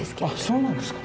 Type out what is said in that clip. そうなんですか。